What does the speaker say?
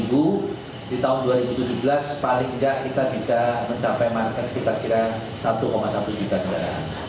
di tahun dua ribu tujuh belas paling tidak kita bisa mencapai market sekitar kira satu satu juta kendaraan